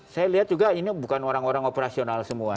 saya lihat juga ini bukan orang orang operasional semua